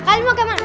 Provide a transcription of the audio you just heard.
kalian mau kemana